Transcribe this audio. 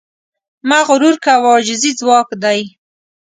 مه غرور کوه، عاجزي ځواک دی.